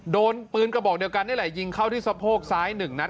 โดนปืนกระบอกเดียวกันนี่แหละยิงเข้าที่สะโพกซ้าย๑นัด